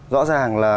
rõ ràng là